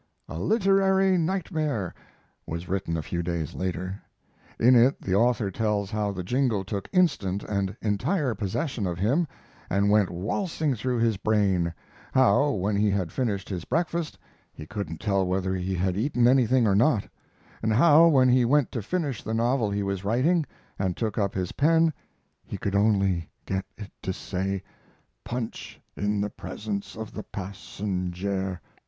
"A Literary Nightmare" was written a few days later. In it the author tells how the jingle took instant and entire possession of him and went waltzing through his brain; how, when he had finished his breakfast, he couldn't tell whether he had eaten anything or not; and how, when he went to finish the novel he was writing, and took up his pen, he could only get it to say: Punch in the presence of the passenjare.